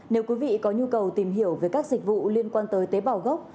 nếu quý vị có nhu cầu tìm hiểu về các dịch vụ liên quan tới tế bào gốc